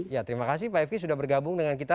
ya terima kasih pak fk sudah bergabung dengan kita